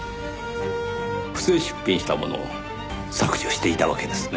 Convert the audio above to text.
不正出品したものを削除していたわけですね。